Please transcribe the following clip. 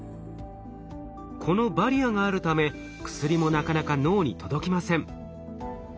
このバリアがあるため薬もなかなか脳に届きません。